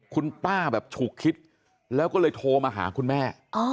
คุณป้าแบบฉุกคิดแล้วก็เลยโทรมาหาคุณแม่